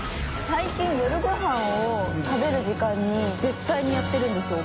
最近夜ご飯を食べる時間に簑个やってるんですよ